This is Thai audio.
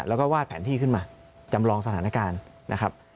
แล้วก็วาดแผนที่ขึ้นมาจำลองสถานการณ์นะครับ